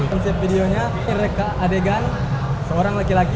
konsep videonya adegan seorang laki laki